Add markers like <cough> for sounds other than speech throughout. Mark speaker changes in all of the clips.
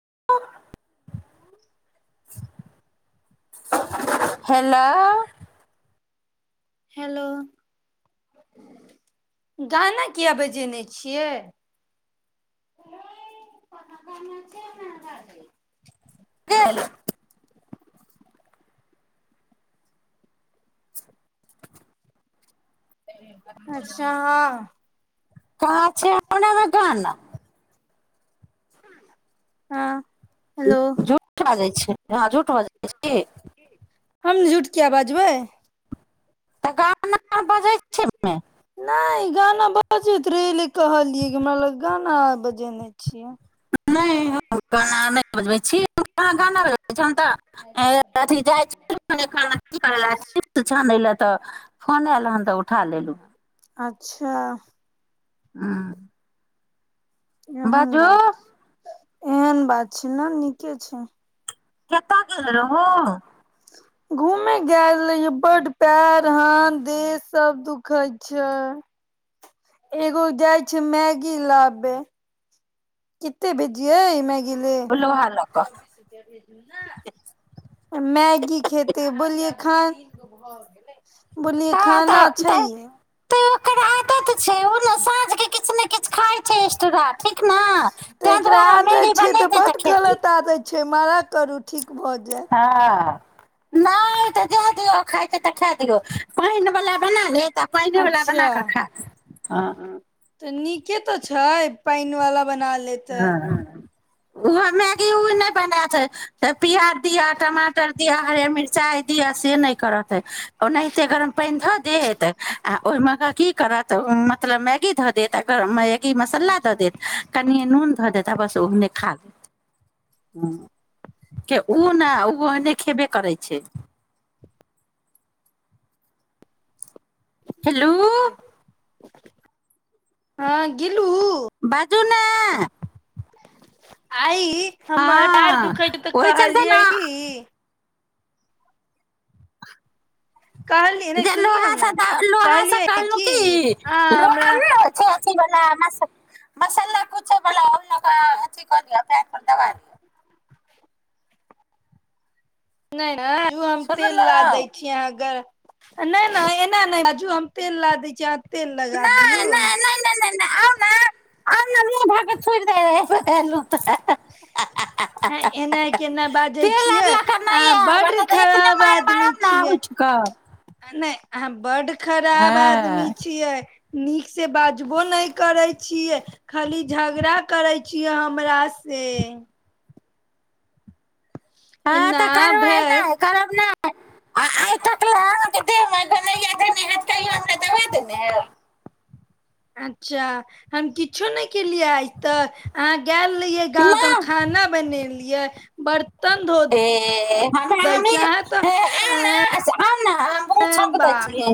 Speaker 1: <unintelligible> hello
Speaker 2: hello गाना किया बजेने छियै
Speaker 1: गेल
Speaker 2: अच्छा हँ
Speaker 1: कहाँ छै हमने मे गाना
Speaker 2: हँ हेलो
Speaker 1: झूठ बाजै छै राजू टोल जाइ छै की
Speaker 2: हम झूठ किया बाजबै
Speaker 1: तऽ गाना आर बजै छै एहिमे
Speaker 2: नहि गाना बजैत रहै एले कहलियै हमरा लागल गाना आर बजेने छियै
Speaker 1: नहि हम गाना नहि बजबै छी कहाँ गाना त <unintelligible> तऽ फोन आयल हन तऽ उठा लेलहुँ
Speaker 2: अच्छा
Speaker 1: हूँ
Speaker 2: एहन बात एहन बात छै न नीके छै
Speaker 1: कतऽ गेल रहौं
Speaker 2: घूमे गैल रहियै बड पैर हाथ देह सब दुखाय छै एगो जाय छियै मैगी लाबे कते भेजियै मैगी
Speaker 1: लोहा लऽ कऽ
Speaker 2: मैगी ले मैगी खे तऽ बोललियै खान बोलिए
Speaker 1: हँ
Speaker 2: खाना
Speaker 1: तऽ
Speaker 2: छै
Speaker 1: तऽ
Speaker 2: हे
Speaker 1: तऽ ओकर आदत छै ओ ने साँझ के किछ ने किछ खाय छै एक्सट्रा
Speaker 2: तऽ एकरा आदत छै तऽ
Speaker 1: बनेतै
Speaker 2: बड
Speaker 1: खेतै
Speaker 2: गलत आदत छै मना करू ठीक भऽ जैत
Speaker 1: हँ नहि तऽ जाए दियौ खाइ छै तऽ खा दियौ पानि वला बना लेत तऽ पाइनेेवला बना
Speaker 2: अच्छा
Speaker 1: कऽ खा ह
Speaker 2: तऽ नीके तऽ छै पानि वाला बना लेतै ह
Speaker 1: ओहो मैगी ओ नहि बनेतै तऽ प्याज दिअ टमाटर दिअ हर मिर्चाइ दिअ से नहि करत ओनाहिते गरम पानि धऽ देत आ ओहिमेके की करत मतलब मैगी धऽ देत आ ई मसाला दऽ देत
Speaker 2: अच्छा
Speaker 1: कनि नून धऽ देत आ ओहने खा लेत के उ नै उ ओहने खेबे करय छै हेलो
Speaker 2: हँ गी
Speaker 1: बाजू ने
Speaker 2: आइ हमर पैर
Speaker 1: हँ
Speaker 2: दुखै तऽ
Speaker 1: ओहि चलते
Speaker 2: कहलियै
Speaker 1: ने
Speaker 2: कि कहलियै नहि
Speaker 1: जे लोहा
Speaker 2: सुनियौ ने
Speaker 1: से लोह से
Speaker 2: कहलियै
Speaker 1: कहलहु कि
Speaker 2: अहाँ
Speaker 1: लोहा
Speaker 2: हमरा
Speaker 1: नहि होइ छै अथि वला <unintelligible> मसाला कुछो बला लऽ कऽ अथी कऽ दिय पैर पर दबा
Speaker 2: नै नै रुकू हम तेल ला दै
Speaker 1: सुनलहुँ
Speaker 2: छी अहाँ गरम नहि नहि एना नहि बाजू हम पेन ला दै छी अहाँक तेल लगा दियौ
Speaker 1: नहि नहि नहि नहि नहि नहि आउने आउने मुँह धऽ के थूड़ि <unintelligible>
Speaker 2: हें एना केना बाजै
Speaker 1: तेल आर
Speaker 2: छियै
Speaker 1: लऽ कऽ
Speaker 2: अहाँ
Speaker 1: नहि आयब आ
Speaker 2: बड्ड
Speaker 1: नहि तऽ एतने
Speaker 2: खराब
Speaker 1: मारि
Speaker 2: आदमी
Speaker 1: मारब ने
Speaker 2: छियै
Speaker 1: उठि कऽ
Speaker 2: नहि अहाँ बड्ड खराब
Speaker 1: हँ
Speaker 2: आदमी छियै नीकसँ बाजबो नहि करै छियै खाली झगड़ा करै छियै हमरासें
Speaker 1: हँ
Speaker 2: एना
Speaker 1: तऽ करबै नै
Speaker 2: भेल
Speaker 1: करब नहि आ आइ तक लाए अहाँ के देह मे धनैया धेने हाएत कहियौ हमरा दबा देने हाएब
Speaker 2: अच्छा हम किछो नहि केलियै आइ तऽ अहाँ गेल रहियै गाँव तऽ हम
Speaker 1: नहि
Speaker 2: खाना बनेलियै बर्तन धो
Speaker 1: ए, हमे
Speaker 2: दै
Speaker 1: हमे
Speaker 2: छी अहाँ तऽ
Speaker 1: ए, आना आना हम बहुत छौंक
Speaker 2: ऐं
Speaker 1: दै
Speaker 2: बाय
Speaker 1: छियै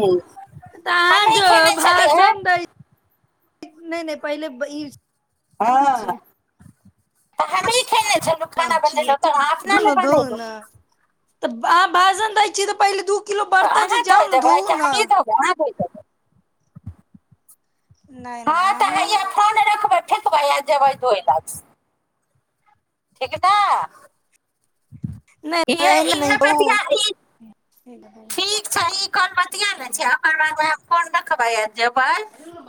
Speaker 2: तऽ अहाँ
Speaker 1: हमे
Speaker 2: जो
Speaker 1: खेने छलियै
Speaker 2: भाषण दै नहि नहि पहिले ई
Speaker 1: हँ
Speaker 2: सुनै
Speaker 1: त हमहीं खेने छंलू खाना
Speaker 2: छियै
Speaker 1: बनेलहूँ त अहाँ अपना
Speaker 2: धो
Speaker 1: लाए
Speaker 2: ने धोउ
Speaker 1: बनेलहूँ
Speaker 2: ने तऽ अहाँ भाषण दै छियै तऽ पहिले धू
Speaker 1: तऽ अहाँ धोय देबै की हमही धोबै धोय देबै
Speaker 2: नहि
Speaker 1: हँ तऽ
Speaker 2: नहि
Speaker 1: हैय फोन रखबै फेकबै आ जेबै धोय लै ठीक ने
Speaker 2: नहि
Speaker 1: इहे
Speaker 2: एना नहि
Speaker 1: इहे
Speaker 2: कहू
Speaker 1: बतिया ई ठीक छै ई काल बतिया लै छी ओकर बाद फोन रखबै जेबे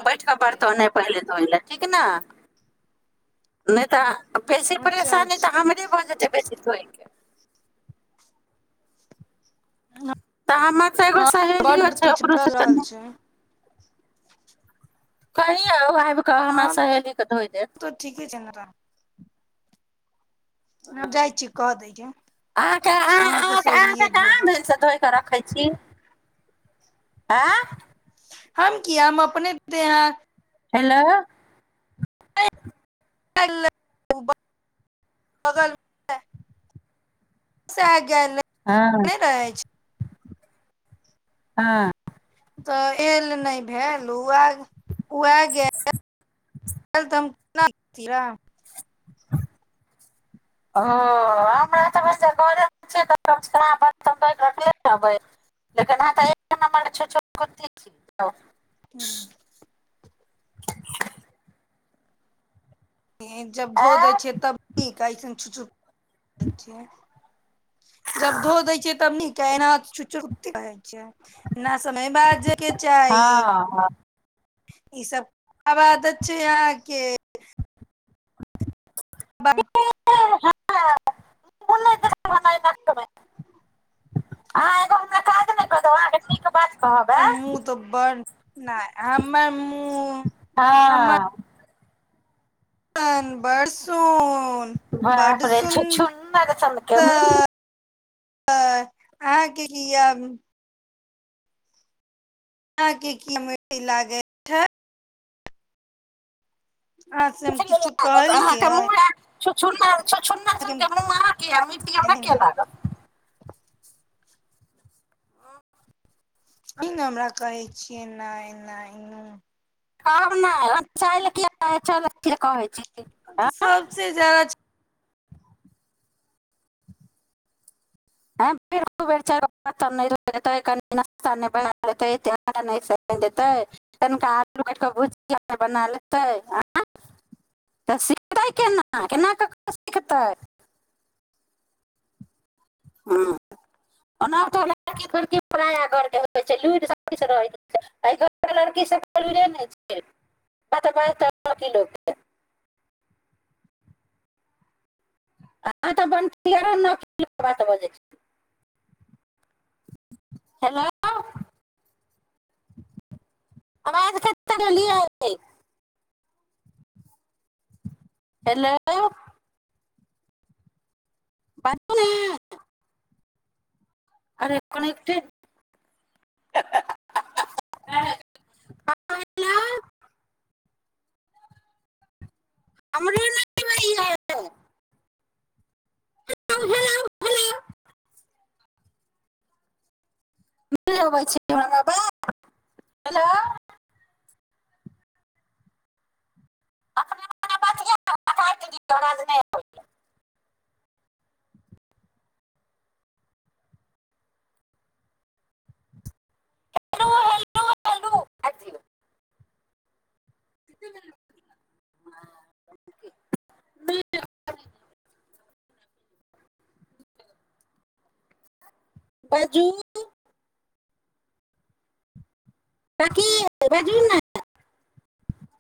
Speaker 1: बैठके बरतने पहिले धोय लै ठीक ने नहि तऽ बेसी
Speaker 2: अच्छा
Speaker 1: परेशानी
Speaker 2: अच्छा
Speaker 1: तऽ हमरे भऽ जेतै बेसी धोइके तऽ हम एगो
Speaker 2: बड
Speaker 1: सहेलियो छै
Speaker 2: बर्तन पड़ि
Speaker 1: ओकरोसँ
Speaker 2: रहल
Speaker 1: कनिये
Speaker 2: छै
Speaker 1: कही आब आबि कऽ हमरा
Speaker 2: हँ
Speaker 1: सहेलीके धोइ देत
Speaker 2: तऽ ठीके छै ने हम जाइ छी कऽ दैला अहाँके से एलियै धो देब
Speaker 1: तऽ रखै छी आँ
Speaker 2: हम किया हम अपने देह-
Speaker 1: हेलो
Speaker 2: <unintelligible> <inaudible> किया ने
Speaker 1: हँ
Speaker 2: नहि रहै छै
Speaker 1: हँ
Speaker 2: तऽ एल नहि भेल उहाए उहाए गेल तऽ <unintelligible> हम केना
Speaker 1: ओ हमरा तऽ भेल घरे मे छियै <unintelligible>
Speaker 2: हूँ जब धो दै
Speaker 1: आँय
Speaker 2: छियै तब नीक ऐसन छु-छु अच्छा जब धो दै छियै तब नीक केना की छुै छै ना समय बाजैय के चाही
Speaker 1: हँ हँ
Speaker 2: ई सब ख़राब आदत छै अहाँके बाह
Speaker 1: <unintelligible>
Speaker 2: हमर
Speaker 1: ऐं
Speaker 2: मुँह तऽ बर नहि हमर मुँह हमर
Speaker 1: हँ
Speaker 2: <unintelligible>
Speaker 1: बाप
Speaker 2: बड
Speaker 1: रे
Speaker 2: सुन्दर
Speaker 1: छुछुनर सनके मुँह
Speaker 2: तऽ अहाँके की यै अहाँके की मिर्ची लागै छै अहाँ से हम
Speaker 1: कथि ले
Speaker 2: किछु
Speaker 1: लागत अहाँके
Speaker 2: कहलियै
Speaker 1: मुँह यै छुछुनर छुछुनर सन मुँह अहाँक यै मिर्ची हमरा कियै लागत
Speaker 2: ई नहि हमरा कहै छियैना एना
Speaker 1: कहब नहि <unintelligible> चालि किए कहै कहै छी ऐं
Speaker 2: तऽ सबसे ज्यादा
Speaker 1: <unintelligible> हँ ओना तऽ लड़की खड़की पराया घरके होइ छै लुरि सभकिछु रहैत छै एहि घरके लड़की सभके लुड़ि नहि छै लड़की लोकके <unintelligible> हेलो आवाज कत रहलियै हेलो बाजुने <unintelligible> हमरो नहि आबै यै ह हेलो हेलो नहि आबै छै आवाज हेलो <unintelligible> हेलो हेलो हेलो काटि <unintelligible> बाजू <unintelligible>